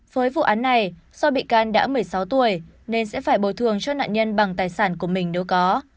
với vụ án này do bị can đã một mươi sáu tuổi nên sẽ phải bồi thường cho nạn nhân bằng tài sản của mình nếu có